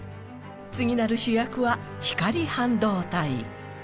次なる主役は光半導体。